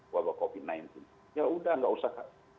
wabah covid sembilan belas ya sudah tidak usah